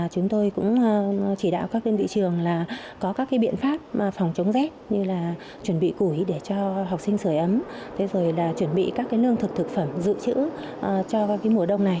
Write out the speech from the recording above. chúng tôi cũng chỉ đạo các đơn vị trường là có các biện pháp phòng chống rét như là chuẩn bị củi để cho học sinh sửa ấm thế rồi là chuẩn bị các lương thực thực phẩm dự trữ cho mùa đông này